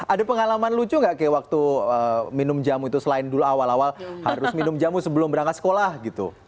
ada pengalaman lucu gak kayak waktu minum jamu itu selain dulu awal awal harus minum jamu sebelum berangkat sekolah gitu